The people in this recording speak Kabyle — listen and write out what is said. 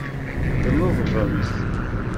Tneḍbemt.